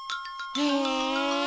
へえ！